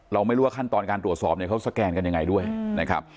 เราไม่รู้ว่าขั้นตอนการตรวจสอบเนี่ยเขาสแกนกันยังไงด้วยนะครับ